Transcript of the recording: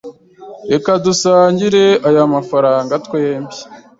Reka dusangire aya mafranga twembi.